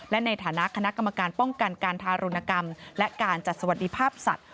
และในฐานะคณะกรรมการป้องกันการทารุณกรรมและการจัดสวัสดิภาพสัตว